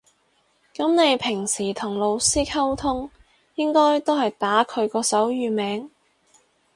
噉你平時同老師溝通應該都係打佢個手語名